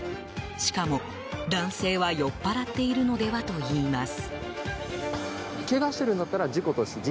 しかも、男性は酔っぱらっているのではといいます。